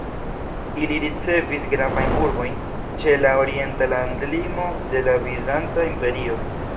Ili ricevis gravajn urbojn ĉe la orienta landlimo de la Bizanca Imperio.